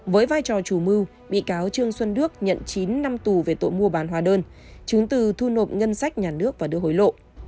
với vai trò chủ mưu bị cáo trương xuân đức nhận chín năm tù về tội mua bán hóa đơn chứng từ thu nộp ngân sách nhà nước và đưa hối lộ